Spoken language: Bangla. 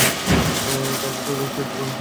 তার ভেতর গ্যাস ঢোকানো হচ্ছে।